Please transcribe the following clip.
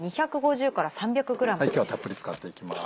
今日はたっぷり使っていきます。